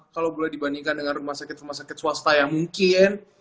kalau boleh dibandingkan dengan rumah sakit rumah sakit swasta yang mungkin